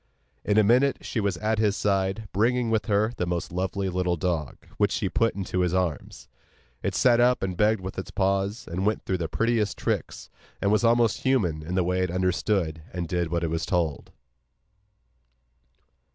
In a minute she was at his side, bringing with her the most lovely little dog, which she put into his arms. It sat up and begged with its paws, and went through the prettiest tricks, and was almost human in the way it understood and did what it was told.